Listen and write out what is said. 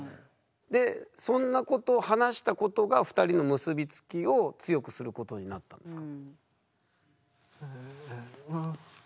でそんなことを話したことが２人の結び付きを強くすることになったんですか？